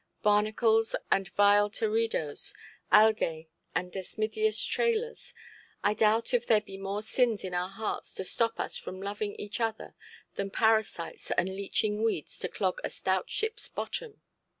Barnacles and vile teredoes, algæ and desmidious trailers:—I doubt if there be more sins in our hearts to stop us from loving each other than parasites and leeching weeds to clog a stout shipʼs bottom.